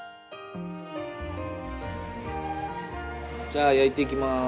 じゃあ焼いていきます。